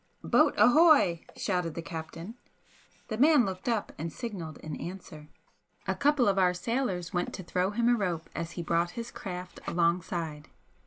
"Boat ahoy!" shouted the captain. The man looked up and signalled in answer. A couple of our sailors went to throw him a rope as he brought his craft alongside.